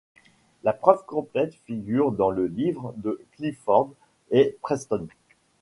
La preuve complète figure dans le livre de Clifford et Preston.